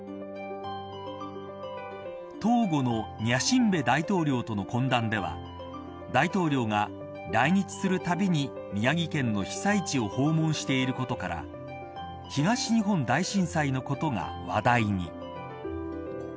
トーゴのニャシンベ大統領との懇談では大統領が来日するたびに宮城県の被災地を訪問していることから東日本大震災のことが話題に。